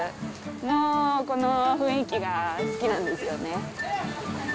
もうこの雰囲気が好きなんですよね。